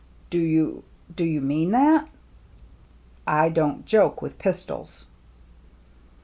" Do you — do you mean that ?"" I don't joke with pistols."